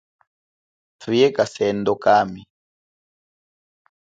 Thuye kasendo kami.